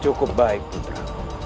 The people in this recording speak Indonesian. cukup baik putra